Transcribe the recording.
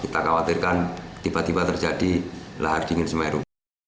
jangan tiba tiba terjadi lahar dingin semeru